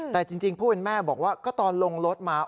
แต่จริงผู้เป็นแม่บอกว่าก็ตอนลงรถมา